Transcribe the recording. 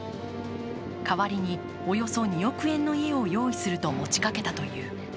代わりにおよそ２億円の家を用意すると持ちかけたという。